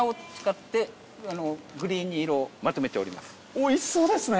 おいしそうですね。